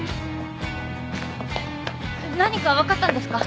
何か分かったんですか？